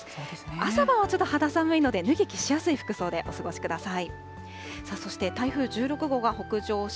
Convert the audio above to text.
朝晩はちょっと肌寒いので、脱ぎ着しやすい服装でお過ごしください。